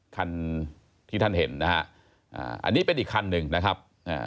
คันที่ท่านเห็นนะฮะอ่าอันนี้เป็นอีกคันหนึ่งนะครับอ่า